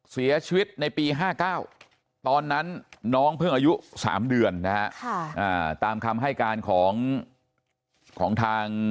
เสียชีวิตในปี๕๙ตอนนั้นน้องเพิ่งอายุ๓เดือนนะฮะตามคำให้การของทาง